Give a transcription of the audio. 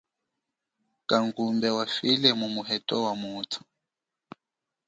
Kangumbe wafile mumu heto wamuthu.